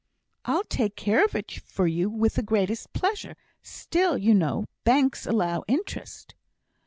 "I'll take care of it for you with the greatest pleasure. Still, you know, banks allow interest."